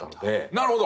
なるほど！